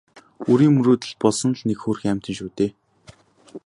Үрийн мөрөөдөл болсон л нэг хөөрхий амьтан шүү дээ.